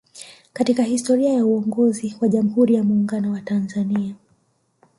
Katika historia ya uongozi wa Jamhuri ya Muungano wa Tanzania